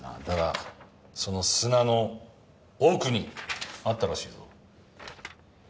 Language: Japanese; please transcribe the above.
だがその砂の奥にあったらしいぞ。